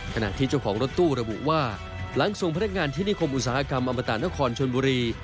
ขณะที่เจ้าของรถตู้ระบุว่าหลังส่งพนักงานที่นิคมอุตสาหกรรมอมตะนครชนบุรี